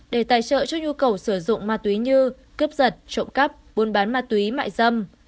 để tài trợ cho nhu cầu sử dụng ma túy như cướp giật trộm cắp buôn bán ma túy mại dâm